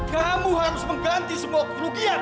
kamu harus mengganti semua kerugian